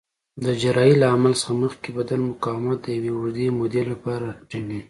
د جراحۍ له عمل څخه مخکې بدن مقاومت د یوې اوږدې مودې لپاره راټیټوي.